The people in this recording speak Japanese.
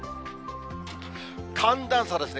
寒暖差ですね。